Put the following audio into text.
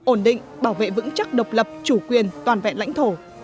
ổn định bảo vệ vững chắc độc lập chủ quyền toàn vẹn lãnh thổ